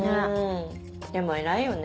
でも偉いよね。